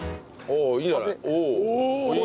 おおいいじゃない。